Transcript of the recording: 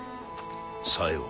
さよう。